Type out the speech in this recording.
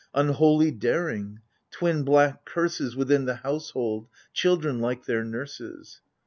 Unholy Daring — twin black Curses Within the household, children like their nurses.